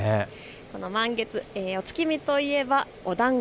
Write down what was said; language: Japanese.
満月、お月見といえばおだんご。